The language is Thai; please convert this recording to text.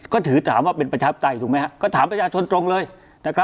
ก็ถือถามว่าเป็นประชาปไตยถูกไหมฮะก็ถามประชาชนตรงเลยนะครับ